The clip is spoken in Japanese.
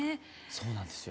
そうなんですよ。